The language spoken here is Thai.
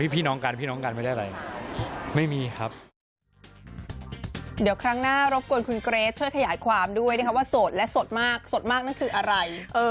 พี่น้องกันพี่น้องกันไม่ได้อะไร